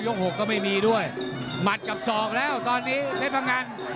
หกก็ไม่มีด้วยหมัดกับศอกแล้วตอนนี้เพชรพงัน